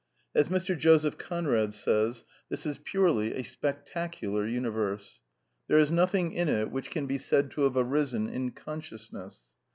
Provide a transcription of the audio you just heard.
^ As Mr. Joseph Conrad says :^' This is purely a spec tacular universe." There is nothing in it whidi can be said to have arisen in consciousness.